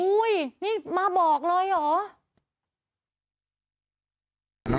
อุ้ยนี่มาบอกหน่อยหรอ